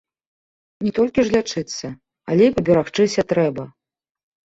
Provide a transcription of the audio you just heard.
Не толькі ж лячыцца, але і паберагчыся трэба.